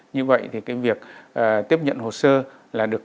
như vậy thì cái việc tiếp nhận hồ sơ là được